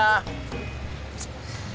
tidak ada yang bisa dikasih